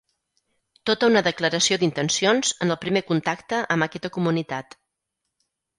Tota una declaració d’intencions en el primer contacte amb aquesta comunitat.